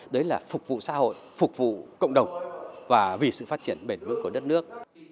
đấy là phục vụ xã hội phục vụ cộng đồng và vì sự phát triển bền vững của đất nước